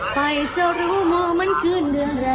เพราะเต้นรำเราเกิดมาเป็นคนต้อยต่ำ